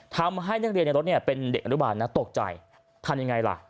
ทำให้นักเรียนในรถเป็นเด็กอดุบาลตกใจทันยังไงล่ะ